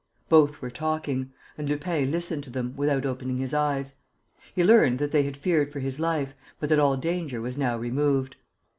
Both were talking; and Lupin listened to them, without opening his eyes. He learned that they had feared for his life, but that all danger was now removed.